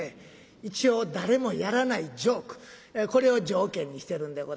一応誰もやらないジョークこれを条件にしてるんでございます。